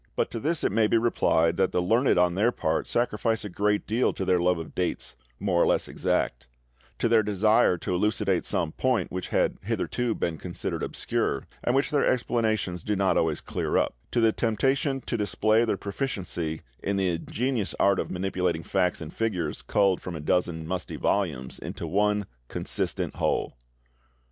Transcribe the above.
But to this it may be replied that the learned on their part sacrifice a great deal to their love of dates, more or less exact; to their desire to elucidate some point which had hitherto been considered obscure, and which their explanations do not always clear up; to the temptation to display their proficiency in the ingenious art of manipulating facts and figures culled from a dozen musty volumes into one consistent whole.